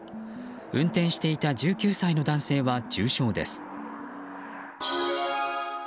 運転していた１９歳の男性は重傷です。